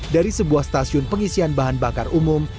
dari sebuah stasiun pengisian bahan bakar umum